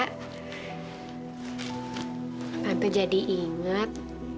tante jadi inget